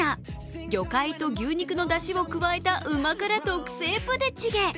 魚介と牛肉のだしを加えた旨辛特製プデチゲ。